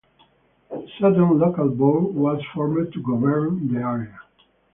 Sutton Local Board was formed to govern the area.